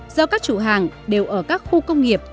do các chủ hàng đều ở các khu công nghiệp